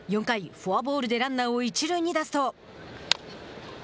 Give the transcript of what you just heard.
フォアボールでランナーを一塁に出すと。